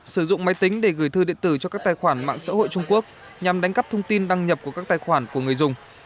sử dụng máy tính để gửi thư điện tử cho các tài khoản mạng xã hội trung quốc nhằm đánh cắp thông tin đăng nhập của các tài khoản của người dùng